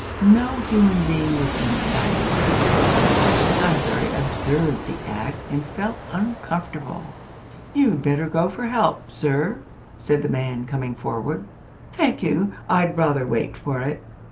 No human being was in sight. Mr Sudberry observed the act, and felt uncomfortable. "You'd better go for help, sir," said the man, coming forward. "Thank you, I'd rather wait for it."